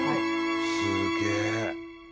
すげえ。